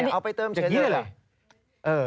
เอาไปเติมเฉยเลย